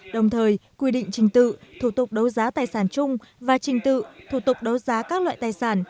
đồng thời quy định trình tự thủ tục đấu giá tài sản chung và trình tự thủ tục đấu giá các loại tài sản